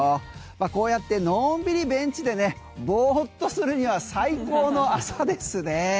こうやってのんびりベンチでねぼーっとするには最高の朝ですね。